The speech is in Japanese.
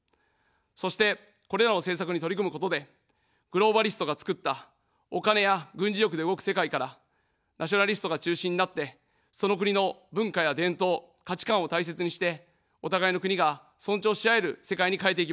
そして、これらの政策に取り組むことで、グローバリストがつくったお金や軍事力で動く世界から、ナショナリストが中心になって、その国の文化や伝統、価値観を大切にして、お互いの国が尊重し合える世界に変えていきます。